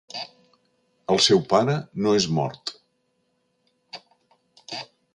El seu pare no és el mort.